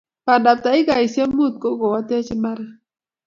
Bandap takikaisiek mut ko kiotech mbaret